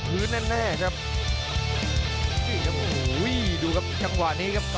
เห็นครับเซฟเอาไว้ครับ